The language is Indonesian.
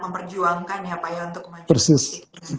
memperjuangkan ya pak ya untuk menjaga musik